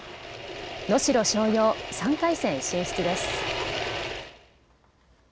能代松陽、３回戦進出です。